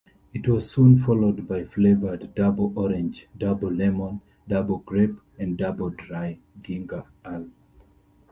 It was soon followed by flavored Double-Orange, Double-Lemon, and Double-Grape and "Double-Dry" ginger ale.